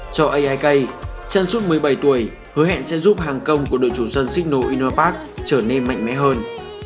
cho aik trận suốt một mươi bảy tuổi hứa hẹn sẽ giúp hàng công của đội chủ dân signal inner park trở nên mạnh mẽ hơn